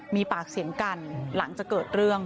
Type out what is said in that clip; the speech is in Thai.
มีปากเสียงกันหลังจากเกิดเรื่อง